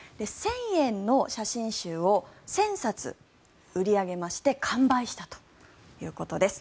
１０００円の写真集を１０００冊売り上げまして完売したということです。